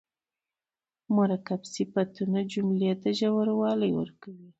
مرکب صفتونه جملې ته ژوروالی ورکوي.